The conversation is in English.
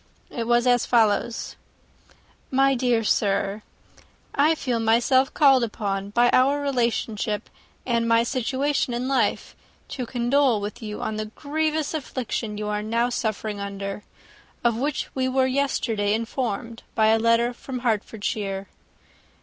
It was as follows: /* "My dear Sir, */ "I feel myself called upon, by our relationship, and my situation in life, to condole with you on the grievous affliction you are now suffering under, of which we were yesterday informed by a letter from Hertfordshire.